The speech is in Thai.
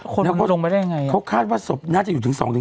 คนลงไปได้ยังไงเขาคาดว่าศพน่าจะอยู่ถึง๒๓